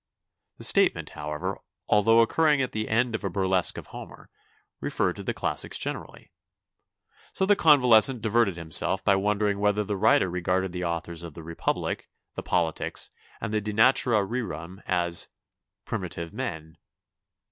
The statement, however, al though occurring at the end of a burlesque of Homer, referred to the classics generally. So the convalescent diverted himself by wondering whether the writer re garded the authors of The Republic, The Politics, and the De Natura Rerum as "primitive men."